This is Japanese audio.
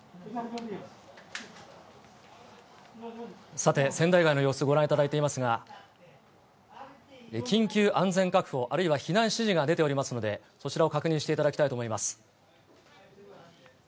さて、川内川の様子、ご覧いただいていますが、緊急安全確保、あるいは避難指示が出ておりますので、そちらを確認していただきたいと思います。